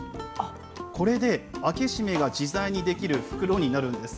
これで開け閉めが自在にできる袋になるんです。